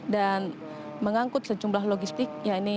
dan mengangkut sejumlah logistik